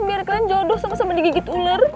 biar kalian jodoh sama sama digigit ular